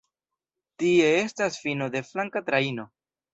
Tie estas fino de flanka trajno.